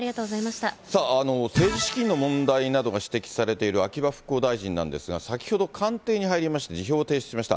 さあ、政治資金の問題などが指摘されている秋葉復興大臣なんですが、先ほど、官邸に入りまして、辞表を提出しました。